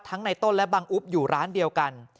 ในต้นและบังอุ๊บอยู่ร้านเดียวกัน